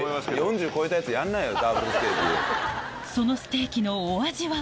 そのステーキのお味は？